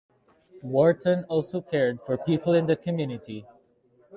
Wharton also cared for people in the community.